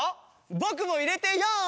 ぼくもいれてよん！